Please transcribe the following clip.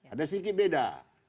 ada sedikit beda